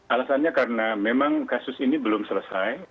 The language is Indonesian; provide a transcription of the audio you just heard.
alasannya karena memang kasus ini belum selesai